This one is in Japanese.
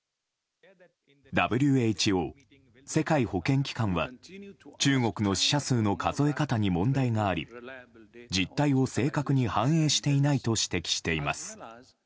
ＷＨＯ・世界保健機関は、中国の死者数の数え方に問題があり実態を正確に反映していないと指摘しています。